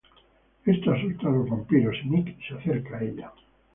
Esto asusta a los vampiros y Nick se acerca a ella.